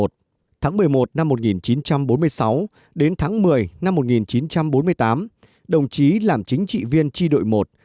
tháng một mươi một năm một nghìn chín trăm bốn mươi sáu đến tháng một mươi năm một nghìn chín trăm bốn mươi tám đồng chí làm chính trị viên chi đội một